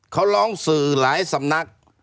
เขาร้องสื่อหลายสำนัก